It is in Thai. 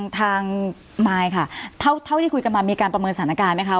ทางมายค่ะเท่าที่คุยกันมามีการประเมินสถานการณ์ไหมคะ